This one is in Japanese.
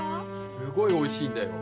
すごいおいしいんだよ。